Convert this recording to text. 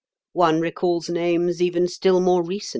One recalls names even still more recent.